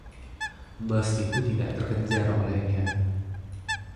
bus itu tidak terkejar olehnya